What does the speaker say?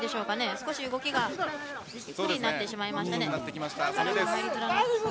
少し動きがゆっくりになってしまいましたね。